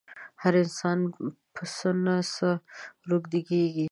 هر انسان په څه نه څه روږدی کېږي.